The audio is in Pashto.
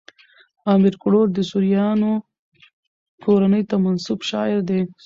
امیر کروړ د سوریانو کورنۍ ته منسوب شاعر دﺉ.